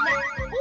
お！